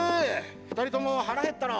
２人ともハラ減ったろ？